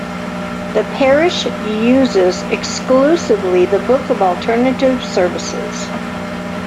The parish uses exclusively the Book of Alternative Services.